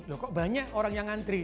loh kok banyak orang yang ngantri